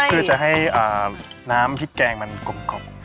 เพื่อจะให้น้ำพริกแกงมันกลม